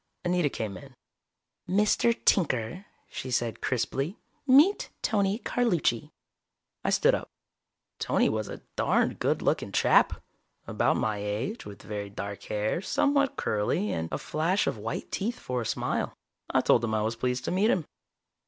Anita came in. "Mr. Tinker," she said crisply. "Meet Tony Carlucci." I stood up. Tony was a darned good looking chap, about my age, with very dark hair, somewhat curly, and a flash of white teeth for a smile. I told him I was pleased to meet him.